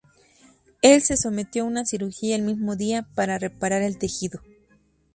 Él se sometió a una cirugía el mismo día para reparar el tejido.